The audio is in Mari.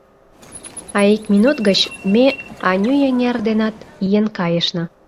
А ик минут гыч ме Анюй эҥер денат ийын кайышна.